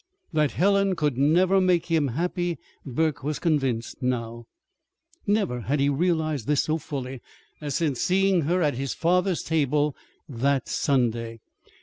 That Helen could never make him happy Burke was convinced now. Never had he realized this so fully as since seeing her at his father's table that Sunday.